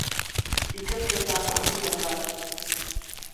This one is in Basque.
Ikerketa abian da.